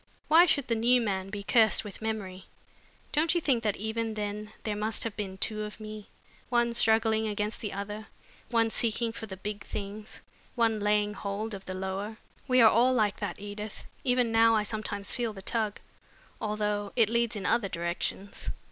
"Why should the new man be cursed with memory? Don't you think that even then there must have been two of me, one struggling against the other one seeking for the big things, one laying hold of the lower? We are all like that, Edith! Even now I sometimes feel the tug, although it leads in other directions."